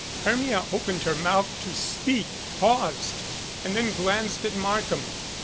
Hermia opened her mouth to speak, paused and then glanced at Markham.